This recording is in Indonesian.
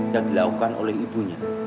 dan dilakukan oleh ibunya